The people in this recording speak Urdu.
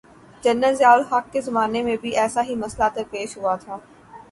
جنرل ضیاء الحق کے زمانے میں بھی ایسا ہی مسئلہ درپیش ہوا تھا۔